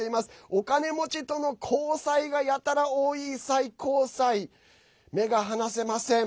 お金持ちとの交際がやたら多い最高裁目が離せません！